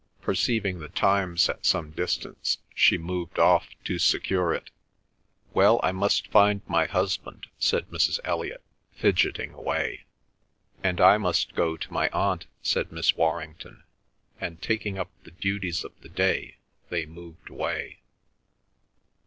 Perceiving The Times at some distance, she moved off to secure it. "Well, I must find my husband," said Mrs. Elliot, fidgeting away. "And I must go to my aunt," said Miss Warrington, and taking up the duties of the day they moved away.